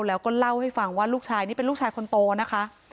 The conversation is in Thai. แล้วก็เล่าให้ฟังว่าลูกชายนี่เป็นลูกชายคนโตนะคะ